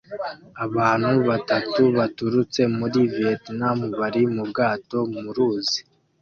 Abantu batatu baturutse muri Vietnam bari mu bwato mu ruzi